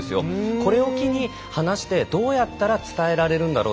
これを機に話して、どうやったら伝えられるんだろう。